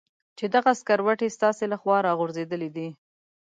چې دغه سکروټې ستاسې له خوا را غورځېدلې دي.